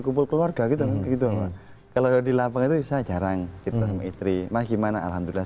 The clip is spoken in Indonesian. kumpul keluarga gitu kalau di lapangan itu saya jarang cerita sama istri mah gimana alhamdulillah